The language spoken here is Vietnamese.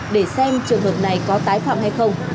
để xem trường hợp này có tái phạm hay không